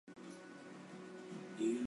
社会市场经济所采取的主要经济制度。